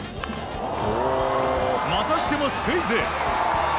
またしてもスクイズ！